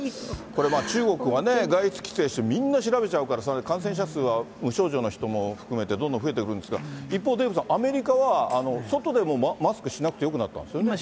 これ、中国はね、外出規制してみんな調べちゃうから、感染者数は無症状の人も含めてどんどん増えていくんですが、一方、デーブさん、アメリカは外でもマスクしなくてよくなったんですよ